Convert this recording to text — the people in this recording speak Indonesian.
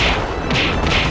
aku akan menang